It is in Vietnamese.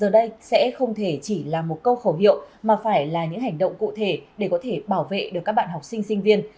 để chỉ là một câu khẩu hiệu mà phải là những hành động cụ thể để có thể bảo vệ được các bạn học sinh sinh viên